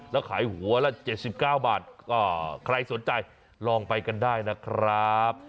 แล้วขายหัวละเจ็ดสิบเก้าบาทก็ใครสนใจลองไปกันได้นะครับ